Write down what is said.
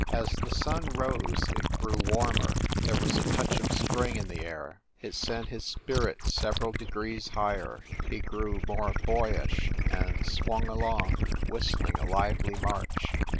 As the sun rose, it grew warmer; there was a touch of spring in the air. It sent his spirits several degrees higher. He grew more boyish, and swung along, whistling a lively march.